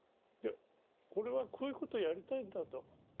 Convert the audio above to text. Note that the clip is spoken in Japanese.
「俺はこういうことやりたいんだ」と。